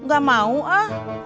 gak mau ah